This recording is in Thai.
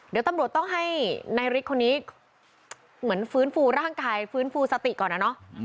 เดี๋ยวตำรวจต้องให้นายฤทธิ์คนนี้เหมือนฟื้นฟูร่างกายฟื้นฟูสติก่อนนะเนอะ